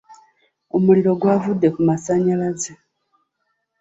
Omuliro gwavudde ku masannyalaze